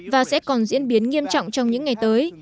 và sẽ còn diễn biến nghiêm trọng trong những ngày tới